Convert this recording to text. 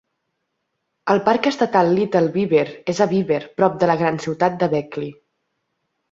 El Parc Estatal Little Beaver és a Beaver, prop de la gran ciutat de Beckley.